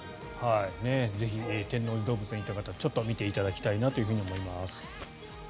ぜひ天王寺動物園に行った方ちょっと見ていただきたいと思います。